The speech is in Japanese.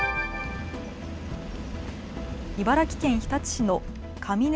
茨城県日立市のかみね